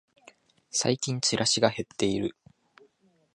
最近チラシが減ってる